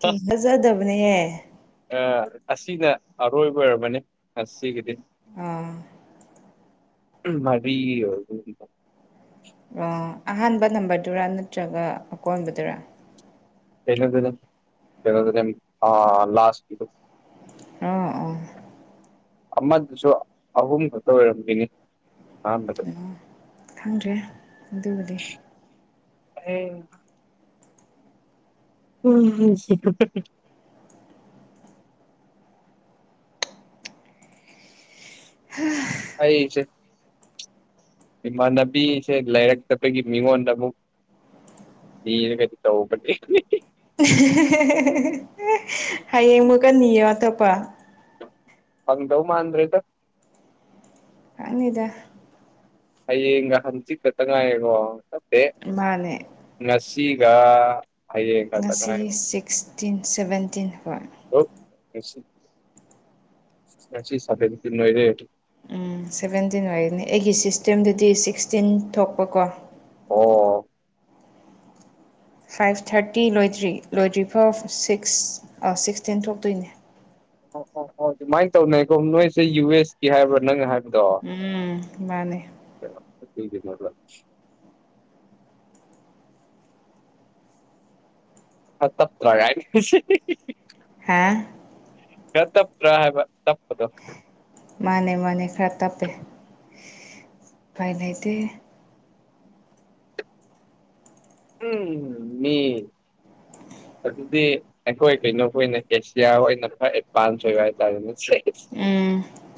ꯀꯦꯡꯅꯖꯗꯕꯅꯦꯍꯦ ꯑꯁꯤꯅ ꯑꯔꯣꯏꯕ ꯑꯣꯏꯔꯕꯅꯤ ꯁꯤꯒꯤꯗꯤ ꯑꯥ ꯃꯕꯤ ꯑꯣꯏ ꯑꯣ ꯑꯍꯥꯟꯕ ꯅꯝꯕꯔꯗꯨꯔꯥ ꯅꯠꯇ꯭ꯔꯒ ꯑꯀꯣꯟꯕꯗꯨꯔꯥ ꯀꯝ ꯂꯥꯁ ꯑꯥ ꯑꯥ ꯑꯃꯗꯨꯁꯨ ꯑꯍꯨꯝ ꯈꯛꯇ ꯑꯣꯏꯔꯝꯈꯤꯅꯤ ꯑꯍꯥꯟꯕ ꯎ ꯈꯪꯗ꯭ꯔꯦ ꯑꯗꯨꯕꯨꯗꯤ ꯍꯝ ꯎꯝ ꯍ ꯑꯩꯁꯦ ꯏꯃꯥꯟꯅꯕꯤꯁꯦ ꯂꯩꯔꯛꯇꯕꯒꯤ ꯃꯤꯉꯣꯟꯗ ꯑꯃꯨꯛ ꯅꯔ ꯀꯔꯤ ꯇꯧꯄ ꯍꯌꯦꯡ ꯑꯃꯨꯛꯀꯅꯤꯌꯣ ꯑꯇꯣꯞꯄ ꯍꯪꯗꯧꯃꯥꯟꯗ꯭ꯔꯦꯗ ꯑꯪꯅꯤꯗ ꯍꯌꯦꯒ ꯍꯪ ꯆꯤꯛ ꯈꯠꯇꯪꯉꯥꯏꯉꯣ ꯆꯠꯇꯦ ꯃꯥ ꯃꯥꯅꯦ ꯅꯁꯤꯒ ꯍꯥꯏꯌꯦꯡ ꯁꯤꯤꯛꯇꯤꯟ ꯁꯚꯦꯟꯇꯤꯟ ꯈ ꯑꯣ ꯉꯁꯤ ꯁꯥꯐꯦꯛꯇ ꯅꯣꯏꯔꯦ ꯎꯝ ꯁꯚꯦꯟꯇꯤꯟ ꯑꯣꯏꯒꯅꯤ ꯑꯩꯒꯤ ꯁꯤꯁꯇꯦꯝꯗꯗꯤ ꯁꯤꯛꯁꯇꯤꯟ ꯊꯣꯛꯄꯀꯣ ꯑꯣ ꯐꯥꯏꯚ ꯊꯥꯔꯇꯤ ꯂꯣꯏꯗ꯭ꯔꯤ ꯂꯣꯏꯗ꯭ꯔꯤꯐꯥꯎ ꯁꯤꯛꯁ ꯑ ꯁꯤꯛꯁꯇꯦꯟ ꯊꯣꯛꯇꯣꯏꯅꯦ ꯑꯣ ꯑꯣ ꯑꯣ ꯑꯗꯨꯃꯥꯏꯅ ꯇꯧꯅꯩꯀꯣ ꯅꯣꯏꯁꯦ ꯌꯨ ꯑꯦꯁ ꯀ ꯍꯥꯏꯕ꯭ꯔꯥ ꯅꯪꯅ ꯍꯥꯏꯕ ꯎꯝ ꯃꯥꯅꯦ ꯊꯂ ꯇꯞ ꯇ ꯍꯥꯏꯅꯤ ꯍꯥꯥ ꯈꯔ ꯇꯞꯇ꯭ꯔꯥ ꯍꯥꯏꯕ ꯇꯞꯄꯗꯣ ꯃꯥꯅꯦ ꯃꯥꯅꯦ ꯈꯔ ꯇꯞꯦ ꯄꯥꯏ ꯂꯩꯗꯦ ꯎꯝ ꯃꯤ ꯑ ꯑꯗꯨꯗꯤ ꯑꯩꯈꯣꯏ ꯀꯩꯅꯣ ꯑꯩ ꯑꯣꯏꯅ ꯑꯦꯁꯤꯌꯥ ꯑꯣꯏꯅ ꯈꯔ ꯑꯦꯗꯚꯥꯟꯁ ꯑꯣꯏꯕ ꯍꯥꯏꯇꯥꯔꯦꯅꯦ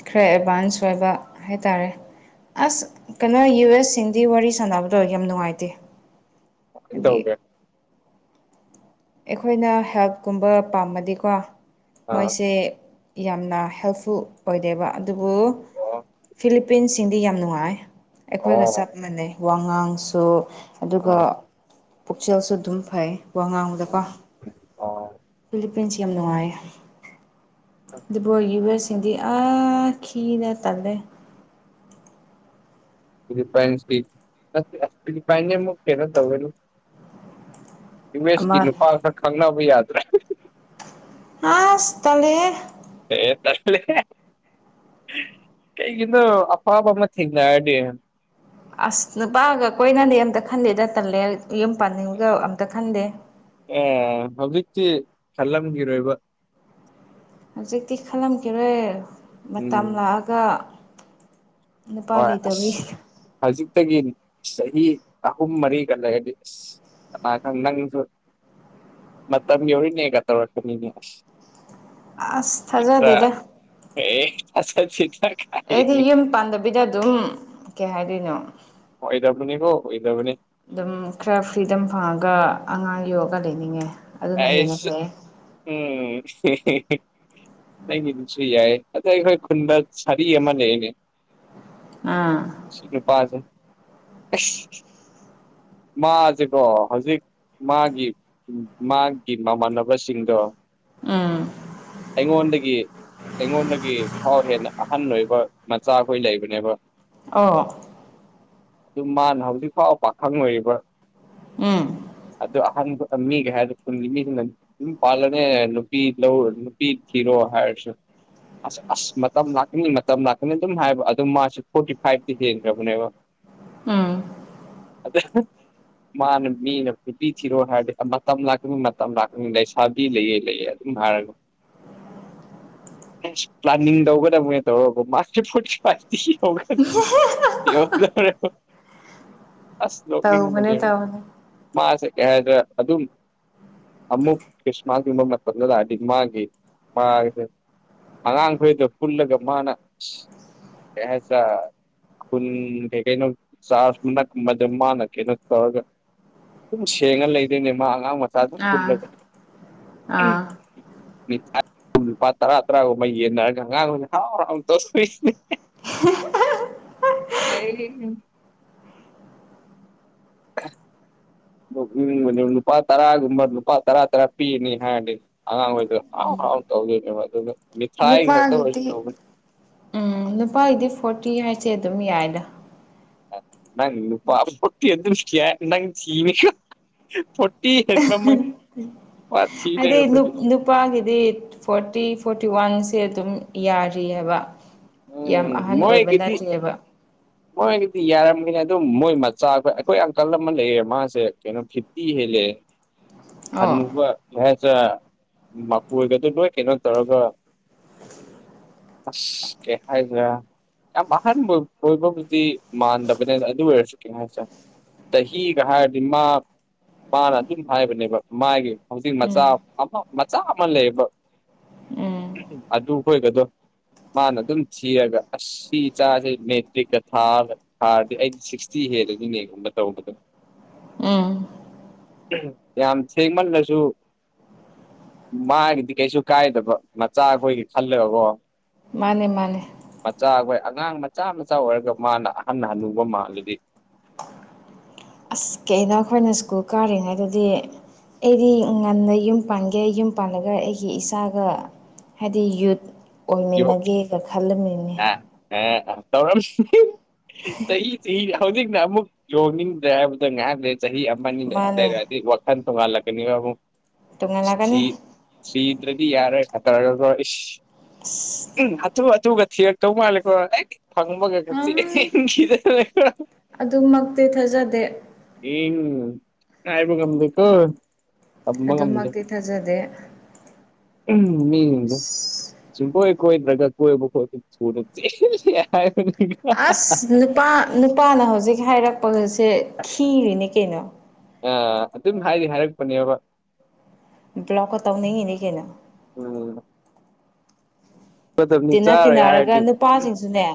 ꯈꯔ ꯑꯦꯗꯚꯥꯟꯁ ꯑꯣꯏꯕ ꯍꯥꯏꯇꯥꯔꯦ ꯑꯁ ꯀꯩꯅꯣ ꯌꯨ ꯑꯦꯁ ꯁꯤꯡꯗꯤ ꯋꯥꯔꯤ ꯁꯥꯟꯅꯕꯗꯣ ꯌꯥꯝ ꯅꯨꯡꯉꯥꯏꯇꯦ ꯏ ꯍꯥꯏꯗꯤ ꯇꯧꯒꯦ ꯑꯩꯈꯣꯏꯅ ꯍꯦꯜꯞꯀꯨꯝꯕ ꯄꯥꯝꯕꯗꯤꯀꯣ ꯑꯥ ꯃꯣꯏꯁꯦ ꯌꯥꯝꯅ ꯍꯦꯜꯞꯐꯨꯜ ꯑꯣꯏꯗꯦꯕ ꯑꯗꯨꯕꯨ ꯑꯣ ꯐꯤꯂꯤꯄꯤꯟꯁꯤꯡꯗꯤ ꯌꯥꯝ ꯅꯨꯡꯉꯥꯏ ꯑꯩꯈꯣꯏꯒ ꯆꯞ ꯃꯥꯟꯅꯩ ꯋꯥꯉꯥꯡꯁꯨ ꯑꯗꯨꯒ ꯑꯣ ꯄꯨꯛꯆꯦꯜꯁꯨ ꯑꯗꯨꯝ ꯐꯩ ꯋꯥ ꯉꯥꯡꯕꯗꯀꯣ ꯑꯣ ꯌꯥꯝ ꯅꯨꯡꯉꯥꯏ ꯌꯨ ꯑꯦꯁ ꯁꯤꯡꯗꯤ ꯑꯥꯈꯤꯅ ꯇꯜꯂꯦ ꯔꯤꯟꯁꯤꯄꯥꯏꯟꯅꯦ ꯃꯛ ꯀꯩꯅꯣ ꯇꯧꯕꯔ ꯃꯦꯁꯀꯤ ꯑꯃꯅ ꯅꯨꯄꯥ ꯈꯔ ꯈꯪꯅꯕ ꯌꯥꯗ꯭ꯔꯦ ꯍꯥ ꯁꯤ ꯇꯂꯦ ꯍ ꯇꯁ ꯂꯩ ꯀꯒꯤꯅ ꯑꯄꯥꯕ ꯑꯃ ꯊꯦꯡꯅꯔꯗꯤ ꯑꯁ ꯅꯨꯄꯥꯒ ꯀꯣꯏꯅꯗꯤ ꯑꯝꯇ ꯈꯟꯗꯦꯗ ꯇꯜꯂꯦ ꯌꯨꯝ ꯄꯥꯅꯤꯡꯕꯒ ꯑꯝꯇ ꯈꯟꯗꯦ ꯍꯧꯖꯤꯛꯇꯤ ꯈꯜꯂꯝꯒꯤꯔꯣꯏꯕ ꯍꯧꯖꯤꯛꯇꯤ ꯈꯜꯂꯝꯈꯤꯦꯔꯣꯏ ꯎꯝ ꯃꯇꯝ ꯂꯥꯛꯑꯒ ꯅꯨꯄꯥ ꯍꯣꯏ ꯂꯩꯇꯕꯩ ꯑꯁ ꯍꯧꯖꯤꯛꯇꯒꯤ ꯆꯍꯤ ꯑꯍꯨꯝ ꯃꯔꯤꯒ ꯂꯩꯔꯗꯤ ꯑꯁ ꯄꯁꯨ ꯃꯇꯝ ꯌꯧꯔꯤꯅꯦꯒ ꯇꯧꯔꯛꯀꯅꯤꯅꯦ ꯑꯁ ꯊꯥꯖꯩ ꯍꯦꯛꯇ ꯑꯗꯨꯦꯗ ꯑꯦ ꯑ ꯆꯤ ꯑꯩꯗꯤ ꯌꯨꯝ ꯄꯥꯟꯗꯕꯤꯗ ꯑꯗꯨꯝ ꯀꯩ ꯍꯥꯏꯗꯣꯏꯅꯣ ꯑꯣ ꯏꯗꯕꯨꯅꯤꯕꯣ ꯑꯣꯏꯗꯕꯅꯤ ꯑꯗꯨꯝ ꯈꯔ ꯐ꯭ꯔꯤꯗꯝ ꯐꯪꯉꯒ ꯑꯉꯥꯡ ꯌꯣꯛꯒ ꯂꯩꯅꯤꯡꯉꯦ ꯑꯗꯨꯅ ꯍꯦꯟꯅ ꯑꯁ ꯐꯩꯌꯦ ꯎꯝ ꯅꯒꯤꯗꯨꯁꯨ ꯌꯥꯏ ꯑꯗ ꯑꯩꯈꯣꯏ ꯈꯨꯟꯗ ꯁꯥꯔꯤ ꯑꯃ ꯂꯩ ꯑꯩꯅꯦ ꯑꯥ ꯁꯤꯄꯥꯖꯦ ꯃꯥꯁꯤꯦꯀꯣ ꯍꯧꯖꯤꯛ ꯃꯥꯒꯤ ꯃꯥꯒꯤ ꯃꯃꯥꯟꯅꯕꯁꯤꯡꯗꯣ ꯎꯝ ꯑꯩꯉꯣꯟꯗꯒꯤ ꯑꯩꯉꯣꯟꯗꯒꯤ ꯐꯥꯎ ꯍꯦꯟꯅ ꯑꯍꯟ ꯑꯣꯏꯕ ꯃꯆꯥꯈꯣꯏ ꯂꯩꯕꯅꯦꯕ ꯑ ꯑꯗꯨ ꯃꯥꯅ ꯍꯧꯖꯤꯛ ꯐꯥꯎ ꯄꯥꯈꯪ ꯑꯣꯏꯔꯤꯕ꯭ꯔꯥ ꯎꯝ ꯑꯗꯨ ꯑꯍꯟ ꯃꯤꯒꯩ ꯍꯥꯏ ꯌꯨꯝ ꯄꯥꯜꯂꯅꯦ ꯅꯨꯄꯤ ꯂꯧꯔꯣ ꯅꯨꯄꯤ ꯊꯤꯔꯣ ꯍꯥꯏꯔꯁꯨ ꯑꯁ ꯑꯁ ꯃꯇꯝ ꯂꯥꯛꯀꯅꯤ ꯃꯇꯝ ꯂꯥꯛꯀꯅꯤ ꯑꯗꯨꯝ ꯍꯥꯏꯕ ꯑꯗꯨ ꯃꯥꯁꯨ ꯐꯣꯔꯇꯤ ꯐꯥꯏꯚꯇꯤ ꯍꯦꯟꯈ꯭ꯔꯕꯅꯦꯕ [inaudible] ꯑꯥ ꯑ ꯃꯥꯅ ꯃꯤꯅ ꯅꯨꯄꯤ ꯊꯤꯔꯣ ꯍꯥꯏꯔꯗꯤ ꯃꯇꯝ ꯑꯗꯨꯝ ꯃꯇꯝ ꯂꯥꯛꯀ ꯂꯩ ꯁꯥꯕꯤ ꯂꯩꯌꯦ ꯂꯩꯌꯦ ꯑꯗꯨꯝ ꯍꯥꯏꯔꯒ ꯄ꯭ꯂꯥꯟꯅꯤꯡ ꯇꯧꯒꯗꯕꯅꯦ ꯇꯧꯔꯕ ꯃꯥ ꯐꯨꯁ [unintelligible] ꯑꯁ ꯇꯧꯕꯅꯦ ꯅꯣꯛꯅꯤꯡꯕꯅꯦ ꯇꯧꯕꯅꯦ ꯃꯥꯁꯦ ꯀꯩ ꯍꯥꯏꯒꯗꯔꯥ ꯑꯗꯨꯝ ꯑꯃꯨꯛ ꯄꯩꯁꯥ ꯒꯨꯝꯕ ꯃꯊꯟꯗ ꯂꯥꯛꯅꯗꯤ ꯃꯥꯒꯤ ꯃꯥ ꯑꯉꯥꯡꯈꯣꯏꯗ ꯄꯨꯜꯂꯒ ꯃꯥꯅ ꯀꯨ ꯍꯥꯏꯒꯗꯔꯥ ꯈꯨꯟ ꯀꯩꯩ ꯀꯩꯅꯣ ꯆꯥꯟ ꯅꯛꯃꯥꯗ ꯥꯃꯥꯅ ꯀꯩꯅꯣ ꯇꯧꯔꯒ ꯑꯗꯨꯝ ꯁꯦꯡꯉ ꯂꯩꯗꯣꯏꯅꯦ ꯃꯥ ꯑꯉꯥꯡ ꯃꯆꯥ ꯑꯗꯨꯝ ꯑꯥ ꯄꯨꯜꯂꯒ ꯑꯥ [unintelligible] ꯑꯗꯨ ꯂꯨꯄꯥ ꯇꯔꯥ ꯇꯔꯥꯒꯨꯝꯕ ꯌꯦꯟꯅꯔꯒ ꯑꯉꯥꯡ ꯍꯔꯥꯎ ꯍꯔꯥꯎꯅ ꯇꯧ ꯁꯤꯅꯦ ꯅꯨꯡꯉꯥꯏꯔꯦꯅꯦ [unintelligible] ꯅꯣꯛꯅꯤꯡꯕꯅꯦ ꯂꯨꯄꯥ ꯇꯔꯥꯒꯨꯝꯕ ꯂꯨꯄꯥ ꯇꯔꯥ ꯇꯔꯥ ꯄꯤꯅꯤ ꯍꯥꯏꯔꯗꯤ ꯑꯉꯥꯡꯈꯩꯗ ꯍꯥꯔꯥꯎ ꯍꯔꯥꯎ ꯇꯧꯗꯣꯏꯅꯦꯕ ꯑꯗꯨꯗ ꯃꯤꯊꯥꯏ ꯈꯦꯛꯇ ꯑꯣꯏꯔꯁꯨ ꯅꯨꯄꯥꯒꯤꯗꯤ ꯇꯧꯕꯅꯦ ꯎꯝ ꯅꯨꯄꯥꯒꯤꯗꯤ ꯐꯣꯔꯇꯤ ꯍꯥꯏꯁꯦ ꯑꯗꯨꯝ ꯌꯥꯏꯌꯦꯗꯥ ꯅꯪ ꯏ ꯄꯤ ꯑꯦ ꯑꯗꯨꯌꯥ ꯏ ꯆꯅꯤ ꯐꯣꯔꯇꯤ ꯍꯦꯟꯕꯃꯛ ꯃꯥ ꯊꯤ ꯂꯩꯔꯝꯕꯅꯤ ꯅꯨꯨꯄꯥꯒꯤꯗꯤ ꯐꯣꯔꯇꯤ ꯐꯣꯔꯇꯤ ꯋꯥꯟꯁꯦ ꯑꯗꯨꯝ ꯌꯥꯔꯤꯑꯕ ꯎꯝ ꯌꯥꯝ ꯑꯍꯟ ꯑꯣꯏꯕ ꯃꯣꯏꯒꯤꯗꯤ ꯅꯠꯇ꯭ꯔꯦꯕ ꯃꯣꯏꯒꯤꯗꯤ ꯌꯥꯔꯝꯒꯅꯤ ꯑꯗꯨꯝ ꯃꯣꯏ ꯃꯆꯥ ꯑꯩꯈꯣꯏ ꯑꯪꯀꯜ ꯑꯃ ꯂꯩꯔꯦ ꯃꯥꯁꯦ ꯀꯩꯅꯣ ꯐꯤꯐꯇꯤ ꯍꯦꯜꯂꯦ [inaudible] ꯑꯣ ꯍꯟꯨꯕ ꯀꯩꯍꯥꯏꯁꯤꯔ ꯃꯀꯣꯏꯒꯗꯣ ꯅꯣꯏ ꯀꯩꯅꯣ ꯇꯧꯔꯒ ꯑꯁ ꯀꯩ ꯍꯥꯏꯕꯔꯥ ꯌꯥꯝ ꯑꯍꯥꯟꯕ ꯑꯣꯏꯕꯕꯨꯗꯤ ꯃꯥꯟꯗꯕꯅꯦꯅ ꯑꯗꯨ ꯑꯣꯏꯔꯁꯨ ꯀꯩꯅꯣ ꯍꯥꯏꯁꯦꯔꯥ ꯆꯍꯤꯒ ꯍꯥꯏꯔꯗꯤ ꯃꯥ ꯃꯥꯅ ꯑꯗꯨꯝ ꯍꯥꯏꯕꯅꯦꯕ ꯃꯥꯒꯤ ꯍꯧꯖꯤꯛ ꯃꯆꯥ ꯎꯝ ꯑꯃ ꯃꯆꯥ ꯑꯃ ꯂꯩꯌꯦꯕ ꯎꯝ ꯑꯗꯨꯈꯣꯏꯒꯗꯣ ꯃꯥꯅ ꯑꯗꯨꯝ ꯊꯤꯔꯒ ꯑꯁꯤ ꯆꯥꯁꯦ ꯃꯦꯇ꯭ꯔꯤꯀ ꯊꯥꯔꯒ ꯍꯥꯔꯗꯤ ꯑꯩꯗꯤ ꯁꯤꯛꯁꯇꯤ ꯍꯦꯜꯂꯒꯤꯅꯦꯒꯨꯝꯕ ꯇꯧꯕꯗꯣ ꯎꯝ ꯌꯥꯝ ꯊꯦꯡꯃꯜꯂꯁꯨ ꯃꯥꯒꯤꯗꯤ ꯀꯩꯁꯨ ꯀꯥꯏꯗꯕ ꯃꯆꯥ ꯑꯩꯈꯣꯏꯒꯤ ꯈꯜꯂꯥꯒꯀꯣ ꯃꯥꯅꯦ ꯃꯥꯅꯦ ꯃꯆꯥꯈꯣꯏ ꯑꯉꯥꯡ ꯃꯆꯥ ꯃꯆꯥ ꯑꯣꯏꯔꯒ ꯃꯥꯅ ꯑꯍꯟꯅ ꯍꯟꯅꯨꯕ ꯃꯥꯜꯂꯗꯤ ꯀꯩꯅ ꯑꯩꯈꯣꯏꯅ ꯁ꯭ꯀꯨꯜ ꯀꯥꯔꯤꯉꯩꯗꯗꯤ ꯑꯩꯗꯤ ꯉꯟꯅ ꯌꯨꯝ ꯄꯥꯟꯒꯦ ꯌꯨꯝ ꯄꯥꯟꯜꯂꯒ ꯑꯩꯒꯤ ꯏꯆꯥꯒ ꯍꯥꯏꯗꯤ ꯌꯨꯠ ꯌꯣꯛ ꯑꯣꯏꯃꯤꯟꯅꯒꯦꯒ ꯈꯜꯂꯝꯃꯤꯅꯦ ꯑꯦ ꯇꯧꯔꯝ ꯆꯍꯤ ꯍꯧꯖꯤꯛꯅ ꯑꯃꯨꯛ ꯂꯨꯍꯣꯡꯅꯤꯡꯗ꯭ꯔꯦ ꯍꯥꯏꯕꯗ ꯉꯥꯏꯍꯥꯛ ꯂꯩ ꯆꯍꯤ ꯑꯃ ꯑꯅꯤ ꯃꯥꯅꯦ ꯂꯩꯔꯗꯤ ꯋꯥꯈꯜ ꯇꯣꯡꯉꯥꯜꯂꯛꯀꯅꯤꯕ ꯑꯃꯨꯛ ꯊꯤ ꯇꯣꯡꯉꯥꯜꯂꯛꯀꯅꯤ ꯊꯤꯗ꯭ꯔꯗꯤ ꯌꯥꯔꯣꯏꯒꯥ ꯇꯧꯔꯒ ꯎꯝ ꯍꯥꯊꯨ ꯍꯥꯊꯨꯒ ꯊꯤꯔꯛꯇꯧ ꯃꯥꯜꯂꯦꯀꯣ ꯐꯪꯕꯒ ꯈꯞꯆꯦꯟ ꯆꯦꯟꯈꯤꯗꯅ [unintelligible] ꯑꯗꯨꯃꯛꯇꯤ ꯊꯥꯖꯗꯦ ꯍꯥꯏꯥꯕ ꯉꯝꯗꯦꯀꯣ ꯇꯝꯕ ꯉꯝꯗꯦ ꯑꯗꯨꯃꯛꯇꯤ ꯊꯥꯖꯗꯦ ꯎꯝ ꯃꯤꯁꯤꯡꯁꯦ ꯣꯏ ꯀꯣꯏ ꯔ꯭ꯔꯒꯛ ꯀꯣꯏꯣꯏ ꯊ ꯑꯁ ꯅꯨꯄꯥ ꯅꯨꯄꯥꯅ ꯍꯧꯖꯤꯛ ꯍꯥꯏꯔꯛꯄꯒꯁꯦ ꯈꯤꯔꯤꯅꯦ ꯀꯩꯅꯣ ꯑ ꯑꯗꯨꯝ ꯍꯥꯏꯗꯤ ꯍꯥꯏꯔꯛꯄꯅꯦꯕ ꯕ꯭ꯂꯣꯅꯅꯤ ꯀꯦꯅ [unintelligible] ꯑꯣ ꯃꯇꯝꯗꯤ ꯇꯤꯟꯅ ꯆꯥꯔꯣꯏ ꯇꯤꯟꯅꯔꯒ ꯍꯥꯏꯔꯗꯤ ꯅꯨꯄꯥꯁꯤꯡꯁꯨꯅꯦ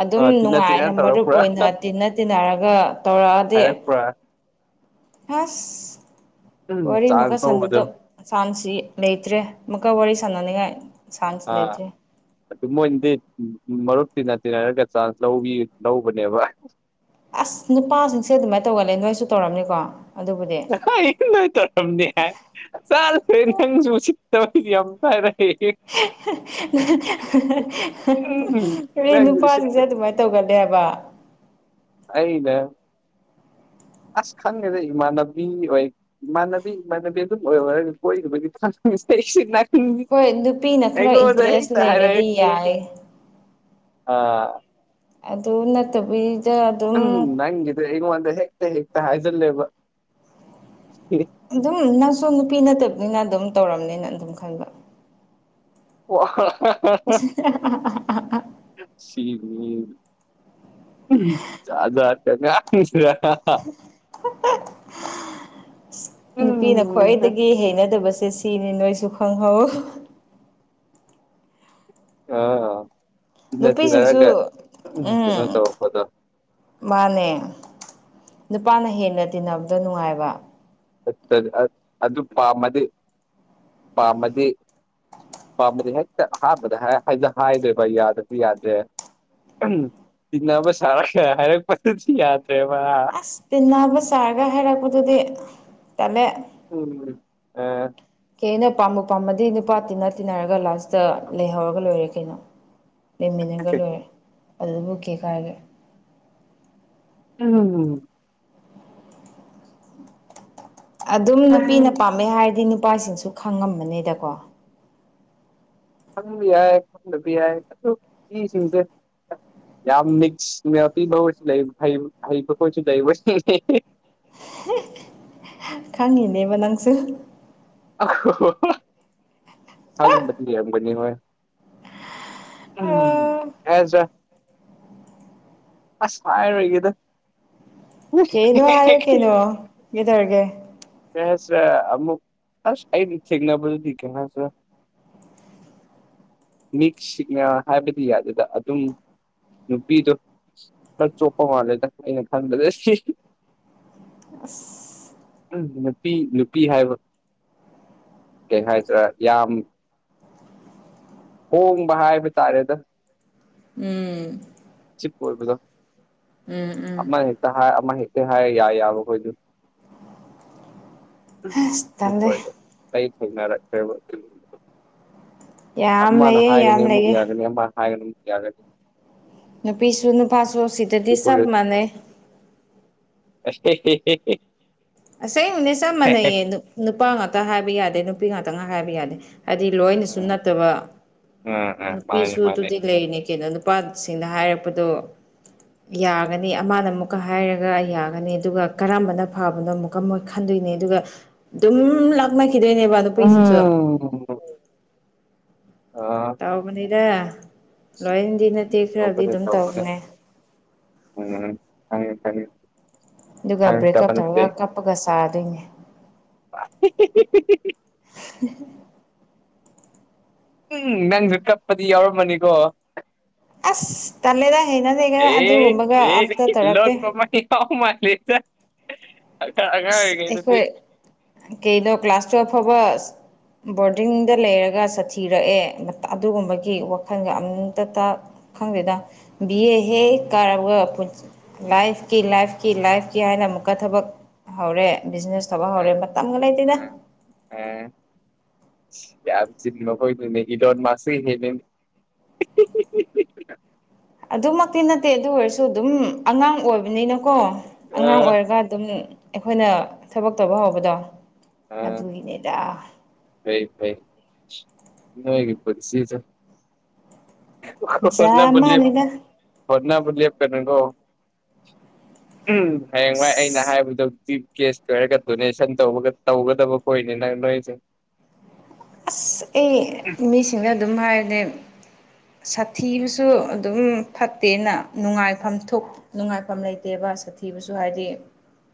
ꯑꯗꯨꯝ ꯑꯥ ꯇꯤꯟꯅ ꯇꯤꯟꯅ ꯅꯨꯡꯉꯥꯏꯅ ꯃꯔꯨꯞ ꯇꯧꯔꯛꯄ꯭ꯔꯥ ꯑꯣꯏꯅ ꯇꯤꯟꯅ ꯇꯤꯟꯅꯔꯒ ꯇꯧꯔꯛꯑꯗꯤ ꯍꯥꯏꯔꯛꯄ꯭ꯔꯥ ꯐꯁ ꯎꯝ ꯋꯥꯔꯤ ꯃꯨꯀ ꯆꯥꯟꯁ ꯂꯧꯕꯗꯣ ꯁꯥꯟꯅꯗ ꯁꯥꯟꯁꯤ ꯂꯩꯇ꯭ꯔꯦ ꯑꯃꯨꯛꯀ ꯋꯥꯔꯤ ꯁꯥꯟꯅꯅꯤꯡꯉꯥꯏ ꯆꯥꯟꯁ ꯑꯥ ꯂꯩꯇ꯭ꯔꯦ ꯑꯗꯨ ꯃꯣꯏꯅꯗꯤ ꯃꯔꯨꯞ ꯇꯤꯟꯅ ꯇꯤꯟꯅꯔꯒ ꯆꯥꯟꯁ ꯂꯧꯕꯤ ꯂꯧꯕꯅꯦꯕ ꯑꯁ ꯅꯨꯄꯥꯁꯤꯡꯁꯦ ꯑꯗꯨꯃꯥꯏ ꯇꯧꯒꯂ ꯅꯣꯏꯁꯨ ꯇꯧꯔꯝꯅꯤꯀꯣ ꯑꯗꯨꯕꯨꯗꯤ ꯅꯣꯏ ꯇꯧꯔꯝꯅꯦ ꯍꯥꯏ ꯆꯥꯠ ꯐꯦ ꯅꯪꯁꯨꯁꯤꯠꯇꯕꯗꯤ ꯌꯥꯝ ꯄꯥꯏꯔꯛꯑꯦ ꯎꯝ [unintelligible] ꯀ ꯅꯪꯒꯤ ꯅꯨꯄꯥꯁꯤꯡꯁꯦ ꯎꯁꯤꯠꯇ ꯑꯗꯨꯃꯥꯏꯅ ꯇꯧꯒꯜꯂꯦ ꯍꯥꯏꯕ ꯑꯩꯗ ꯑꯁ ꯈꯪꯉꯦꯗ ꯏꯃꯥꯟꯅꯕꯤ ꯑꯣꯏ ꯃꯥꯟꯅꯕꯤ ꯃꯥꯟꯅꯕꯤ ꯑꯗꯨꯝ ꯑꯣꯏꯔ ꯍꯥꯏꯔꯒ ꯀꯣꯏꯔꯨꯕꯒꯤ ꯈ ꯅ ꯍꯣꯏ ꯅꯨꯄꯤꯅ ꯈꯔ ꯏꯟꯇꯔꯦꯁ ꯂꯩꯔꯗꯤ ꯍꯥꯏꯔꯛꯏ ꯌꯥꯏ ꯑ ꯑꯗꯨ ꯅꯠꯇꯕꯒꯤ ꯎꯝ ꯅꯪꯒꯤꯗ ꯑꯩꯉꯣꯟꯗ ꯍꯦꯛꯇ ꯍꯦꯛꯇ ꯍꯥꯏꯖꯜꯂꯦꯕ ꯑꯗꯨꯝ ꯅꯪꯁꯨ ꯅꯨꯄꯤ ꯅꯠꯇꯕꯅꯤꯅ ꯑꯗꯨꯝ ꯇꯧꯔꯝꯅꯤꯅ ꯑꯗꯨꯝ ꯈꯟꯕ ꯁꯤ [unintelligible] ꯖ [unintelligible] [unintelligible] ꯅꯨꯄꯤꯅ ꯎꯝ ꯈ꯭ꯋꯥꯏꯗꯒꯤ ꯍꯩꯅꯗꯕꯁꯦ ꯁꯤꯅꯤ ꯅꯣꯏꯁꯨ ꯈꯪꯍꯧ ꯑꯥ ꯏꯟꯅ ꯅꯨꯄꯤꯁꯤꯡꯁꯨ ꯇꯔꯔꯒ ꯀꯩꯅꯣ ꯎꯝ ꯇꯧꯕꯄꯗꯣ ꯃꯥꯅꯦ ꯅꯨꯄꯥꯅ ꯍꯦꯟꯅ ꯇꯤꯟꯅꯕꯗꯣ ꯅꯨꯡꯉꯥꯏꯕ ꯑꯗꯨ ꯄꯥꯝꯃꯗꯤ ꯄꯥꯝꯃꯗꯤ ꯄꯥꯝꯕꯗꯤ ꯍꯦꯛꯇ ꯑꯍꯥꯟꯕꯗ ꯍꯥꯏꯗꯣꯏꯕ ꯌꯥꯗ꯭ꯔꯁꯨ ꯌꯥꯗ꯭ꯔꯦ ꯎꯝ ꯏꯟꯅꯕ ꯁꯔꯥ ꯍꯔ ꯄꯁ ꯌꯥꯗ꯭ꯔꯦꯕ ꯑꯁ ꯇꯤꯟꯅꯕ ꯆꯥꯔꯒ ꯍꯥꯏꯔꯛꯄꯗꯨꯗꯤ ꯇꯜꯂꯦ ꯎꯝ ꯑ [unintelligible] [inaudible] ꯀꯦ ꯑꯩꯅ ꯄꯥꯝꯕ ꯄꯥꯝꯕꯗꯤ ꯅꯨꯄꯥ ꯇꯤꯟꯅ ꯇꯤꯟꯅꯔꯒ ꯂꯥꯁꯇ ꯂꯩꯍꯧꯔꯒ ꯂꯣꯏꯔꯦ ꯀꯩꯅꯣ ꯂꯩꯃꯤꯟꯅꯒ ꯂꯣꯏꯔꯦ ꯑꯗꯨꯗꯕꯨꯀꯦ ꯀꯥꯏꯔꯒꯦ ꯎꯝ ꯑꯗꯨꯝ ꯅꯨꯄꯤꯅ ꯄꯥꯝꯃꯦ ꯍꯥꯏꯔꯗꯤ ꯅꯨꯄꯥꯁꯤꯡꯁꯨ ꯈꯪꯉꯝꯕꯅꯤꯗꯀꯣ ꯈꯪꯕ ꯌꯥꯏ ꯈꯪꯗꯕ ꯌꯥꯏ ꯑꯗꯨ ꯃꯤꯁꯤꯡꯁꯦ ꯌꯥꯝ ꯃꯤꯛꯁ ꯃꯄꯤꯤꯕꯣꯏꯁꯨ ꯂꯩ ꯍꯩꯕ ꯈꯣꯠꯁꯨ ꯂꯩ [inaudible] ꯈꯪꯍꯤꯅꯦꯕ ꯅꯪꯁꯨ ꯑ ꯍꯪꯕꯗꯤꯔꯝꯒꯅꯤ ꯍꯣꯏ ꯎꯝ ꯑꯥ ꯑꯦꯖ [unintelligible] [inaudible] ꯑꯁ ꯀꯥꯏꯔꯣꯏꯒꯦꯗ [inaudible] ꯀꯦꯅꯣ ꯍꯥꯏꯌꯨ ꯀꯦꯅꯣ ꯒꯤꯗꯔꯦ ꯍꯁ ꯑꯃꯨꯛ ꯑꯁ ꯑꯩꯒꯥ ꯊꯦꯡꯅꯥꯕꯗꯤ ꯀꯦꯁꯦꯔꯥ ꯃꯤꯛ ꯁꯤꯛꯅ ꯍꯥꯏꯕꯗꯤ ꯌꯥꯗꯗ ꯑꯗꯨꯝ ꯅꯨꯄꯤꯗꯣ [unintelligible] ꯎ ꯅꯨꯄꯤ ꯅꯨꯄꯤ ꯍꯥꯏꯕ ꯀꯩ ꯍꯥꯏꯗ꯭ꯔꯥ ꯌꯥꯝ ꯍꯣꯡꯕ ꯍꯥꯏꯕ ꯇꯥꯔꯦꯗ ꯎꯝ ꯆꯤꯞ ꯑꯣꯏꯣꯕꯗꯣ ꯎꯝ ꯎꯝ ꯑꯃ ꯍꯦꯛꯇ ꯍꯥꯏ ꯑꯃ ꯍꯦꯛꯇ ꯍꯥꯏꯔ ꯌꯥꯏ ꯌꯥꯕ ꯑꯩꯈꯣꯏꯁꯨ ꯑꯁ ꯇꯜꯂꯦ [unintelligible] ꯌꯥꯝ ꯑꯃꯅ ꯂꯩꯌꯦ ꯌꯥꯝ ꯍꯥꯏꯦꯅꯤꯒꯤ ꯂꯩꯌꯦ ꯍꯥꯏꯒꯅꯤ ꯑꯃꯅ ꯍꯥꯏꯦ ꯍꯥꯏꯒꯅꯤ ꯅꯨꯄꯤꯁꯨ ꯅꯨꯄꯥꯁꯨ ꯁꯤꯗꯗꯤ ꯆꯞ ꯑꯗꯨꯈꯣꯏꯗꯣ ꯃꯥꯟꯅꯩ ꯑꯁ [unintelligible] [inaudible] ꯑꯁꯛꯅꯦ ꯆꯞ ꯃꯥꯟꯅꯩꯌꯦ ꯅꯨꯄꯥ ꯉꯥꯛꯇ ꯍꯥꯏꯕ ꯌꯥꯗꯦ ꯅꯨꯄꯤ ꯉꯥꯛꯇ ꯉ ꯍꯥꯏꯕ ꯌꯥꯗꯦ ꯍꯥꯏꯗꯤ ꯂꯣꯏꯅꯁꯨ ꯅꯠꯇꯕ ꯑ ꯑ ꯑ ꯃꯥꯅꯦ ꯅꯨꯄꯤꯁꯨ ꯃꯥꯅꯦ ꯑꯗꯨꯗꯤ ꯂꯩꯔꯤꯅꯤ ꯀꯩꯅꯣ ꯅꯨꯄꯥꯁꯤꯡꯗ ꯍꯥꯏꯔꯛꯄꯗꯣ ꯌꯥꯒꯅꯤ ꯑꯃꯅ ꯑꯃꯨꯛꯀ ꯍꯥꯏꯔꯒ ꯌꯥꯒꯅꯤ ꯑꯗꯨꯒ ꯀꯔꯝꯕꯅ ꯐꯥꯕꯅꯣ ꯑꯃꯨꯛ ꯀꯃꯣꯏ ꯈꯟꯗꯣꯏꯅꯦ ꯑꯗꯨꯒ ꯑꯗꯨꯝ ꯂꯥꯛꯅꯈꯤꯗꯣꯏꯅꯦꯕ ꯅꯨꯄꯤꯁꯤꯡꯁꯨ ꯑꯣ ꯑ ꯇꯥꯎꯕꯅꯤꯗ ꯂꯣꯏ [unintelligible] ꯑꯗꯨꯒ ꯕ꯭ꯔꯦꯛꯀꯞ ꯇꯧꯔꯒ ꯀꯞꯄꯒ ꯆꯥꯗꯣꯏꯅꯦ [unintelligible] [unintelligible] ꯎꯝ ꯅꯪꯁꯨ ꯀꯞꯄꯗꯤ ꯌꯥꯎꯔꯝꯃꯅꯤꯀꯣ ꯑꯁ ꯇꯂꯦꯗ ꯍꯩꯅꯗꯒ ꯑꯦ ꯑꯗꯨꯒꯨꯝꯕꯒ ꯑꯦ ꯑꯝꯇ ꯇꯧꯔꯛꯇꯦ [unintelligible] ꯑꯉꯥꯡ ꯑꯉꯥꯡ ꯑꯁ ꯑꯣꯏꯔꯤꯉꯩꯗꯗꯤ ꯑꯩꯈꯣꯏ ꯀꯩꯅꯣ ꯀ꯭ꯂꯥꯁ ꯇꯨꯌꯦꯜꯐ ꯐꯥꯎꯕ ꯕꯣꯔꯗꯤꯡꯗ ꯂꯩꯔꯒ ꯁꯥꯊꯤꯔꯛꯑꯦ ꯑꯗꯨꯒꯨꯝꯕꯒꯤ ꯋꯥꯈꯜꯒ ꯑꯃꯨꯛꯇ ꯈꯪꯗꯦꯗ ꯕꯤ ꯑꯦ ꯍꯦ ꯀꯥꯔꯒ ꯂꯥꯏꯐꯀꯤ ꯂꯥꯏꯐꯀꯤ ꯂꯥꯏꯐ ꯀ ꯍꯥꯏꯅ ꯑꯃꯨꯛꯀ ꯊꯕꯛ ꯍꯧꯔꯦ ꯕꯤꯖꯤꯅꯦꯁ ꯊꯕꯛ ꯍꯧꯔꯦ ꯃꯇꯝꯒ ꯂꯩꯇꯦꯗ [unintelligible] [unintelligible] [unintelligible] ꯑꯗꯨꯃꯛꯇꯤ ꯅꯠꯇꯦ ꯑꯗꯨ ꯑꯣꯏꯔꯁꯨ ꯑꯗꯨꯝ ꯑꯉꯥꯡ ꯑꯣꯏꯕꯅꯤꯅꯀꯣ ꯑ ꯑꯉꯥꯡ ꯑꯣꯏꯔꯒ ꯑꯗꯨꯝ ꯑꯩꯈꯣꯏꯅ ꯊꯕꯛ ꯇꯧꯕ ꯍꯧꯕꯗꯣ ꯑꯗꯨꯒꯤꯅꯦꯗ ꯍꯣꯏ ꯐꯩ ꯅꯣꯏꯒꯤ ꯄꯨꯟꯁꯤꯗꯨ [unintelligible] ꯖꯥ ꯃꯥꯟꯅꯤꯗ ꯍꯣꯠꯅꯕ ꯂꯦꯞꯀꯅꯨꯀꯣ ꯍꯌꯦꯡꯋꯥꯏ ꯑꯩꯅ ꯍꯥꯏꯕꯗꯨ ꯍꯧꯖꯤꯛꯇꯤ ꯀꯦꯁ ꯀꯣꯏꯔꯒ ꯗꯣꯅꯦꯁꯟ ꯇꯧꯕꯒ ꯇꯧꯒꯗꯕ ꯀꯣꯏꯅꯤ ꯅꯪ ꯅꯣꯏꯁꯦ ꯑꯁ ꯑꯩ ꯃꯤꯁꯤꯡꯅ ꯑꯗꯨꯝ ꯍꯥꯏꯔꯅꯦ ꯁꯥꯊꯤꯕꯁꯨ ꯑꯗꯨꯝ ꯐꯠꯇꯦꯅ ꯅꯨꯡꯉꯥꯏꯐꯝ ꯊꯣꯛ ꯅꯨꯡꯉꯥꯏꯐꯝ ꯂꯩꯇꯦꯕ ꯁꯥꯊꯤꯕꯁꯨ ꯍꯥꯏꯗꯤ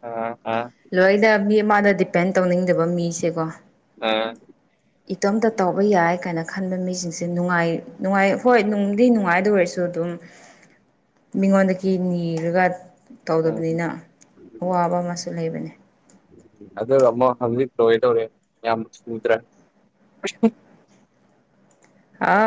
ꯑꯣ ꯑ ꯂꯣꯏꯅ ꯃꯤ ꯑꯃꯗ ꯗꯤꯄꯦꯟ ꯇꯧꯅꯤꯡꯗꯕ ꯃꯤꯁꯦꯀꯣ ꯑꯥ ꯏꯇꯣꯝꯇ ꯇꯧꯕ ꯌꯥꯏ ꯀꯥꯏꯅ ꯈꯟꯕ ꯃꯤꯁꯤꯡꯁꯦ ꯅꯨꯡꯉꯥꯏ ꯅꯨꯡꯉꯥꯏ ꯍꯣꯏ ꯅꯨꯡꯗꯤ ꯅꯨꯡꯉꯥꯏꯗ ꯑꯣꯏꯔꯁꯨ ꯑꯗꯨꯝ [unintelligible] ꯃꯤꯉꯣꯟꯗꯒꯤ ꯅꯤꯔꯒ ꯎꯝ ꯇꯧꯗꯕꯅꯤꯅ ꯑꯋꯥꯕ ꯑꯃꯁꯨ ꯂꯩꯕꯅꯤ ꯑꯗꯨꯒ ꯑꯃꯨꯛ ꯍꯧꯖꯤꯛ ꯂꯣꯏꯗꯧꯔꯦ ꯌꯥꯝ ꯊꯨꯗꯔꯥ ꯍꯥꯎ